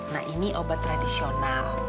nah ini obat tradisional